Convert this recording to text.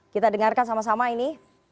kita dengarkan sama sama ini